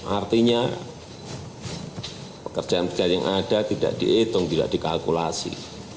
artinya pekerjaan pekerjaan yang ada tidak dihitung tidak dikalkulasi